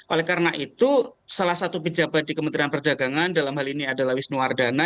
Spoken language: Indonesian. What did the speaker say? oleh karena itu salah satu penjabat di kementerian perdagangan dalam hal ini adalah wisnuardana